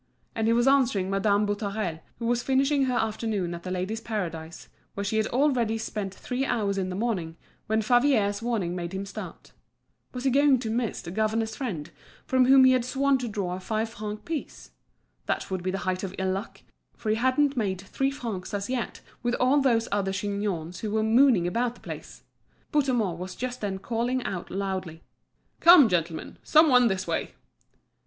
And he was answering Madame Boutarel, who was finishing her afternoon at The Ladies' Paradise, where she had already spent three hours in the morning, when Favier's warning made him start. Was he going to miss the governor's friend, from whom he had sworn to draw a five franc piece? That would be the height of ill luck, for he hadn't made three francs as yet with all those other chignons who were mooning about the place! Bouthemont was just then calling out loudly: "Come, gentlemen, some one this way!"